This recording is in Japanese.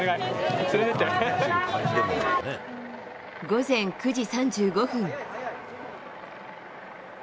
午前９時３５分。